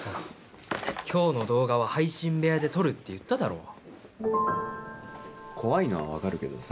今日の動画は配信部屋で撮るって言っただろ怖いのは分かるけどさ